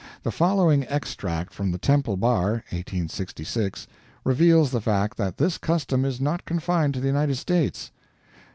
The following extract from the Temple Bar (1866) reveals the fact that this custom is not confined to the United States.